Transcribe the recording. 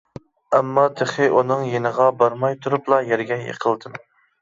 ئەمما تېخى ئۇنىڭ يېنىغا بارماي تۇرۇپلا يەرگە يىقىلدىم.